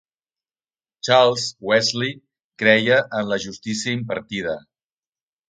Charles Wesley creia en la justícia impartida.